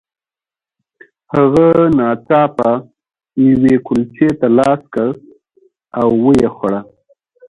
هغه ناڅاپه یوې کلچې ته لاس کړ او ویې خوړه